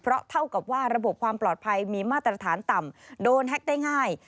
เพราะเท่ากับว่าระบบความปลอดภัยมีมาตรฐานต่ำโดนแฮ็กได้ง่าย